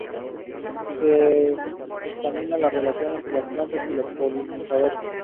Se examina la relación entre las plantas y sus polinizadores.